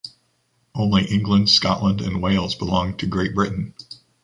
Only England, Scotland and Wales belong to Great Britain.